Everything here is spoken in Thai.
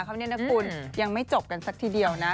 เขาเนี่ยนะคุณยังไม่จบกันสักทีเดียวนะ